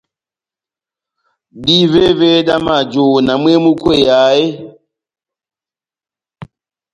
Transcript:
Dívévé dá majohó na mwehé múkweyaha eeeh ?